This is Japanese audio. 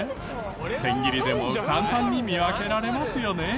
千切りでも簡単に見分けられますよね？